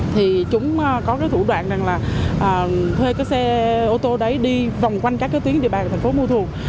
thì chúng có thủ đoạn là thuê xe ô tô đấy đi vòng quanh các tuyến địa bàn thành phố buôn ma thuột